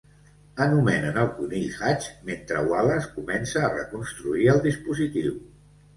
Anomenen el conill Hutch mentre Wallace comença a reconstruir el dispositiu.